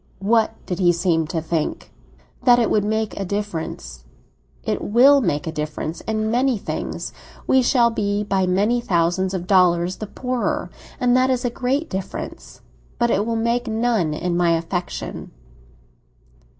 "What did he seem to think?" "That it would make a difference." "It will make a difference—in many things. We shall be by many thousands of dollars the poorer; and that is a great difference. But it will make none in my affection."